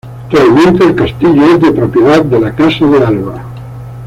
Actualmente el castillo es de propiedad de la Casa de Alba.